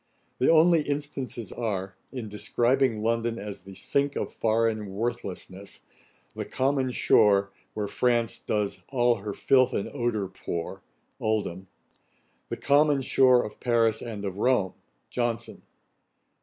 The only instances are, in describing London as the sink of foreign worthlessness: ' the common shore, Where France does all her filth and ordure pour.' OLDHAM. 'The common shore of Paris and of Rome.' JOHNSON.